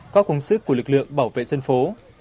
có công sức của lực lượng bảo vệ dân phố